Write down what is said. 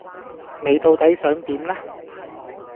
你到底想點呢？